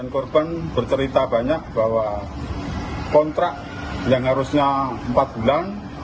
korban bercerita banyak bahwa kontrak yang harusnya empat bulan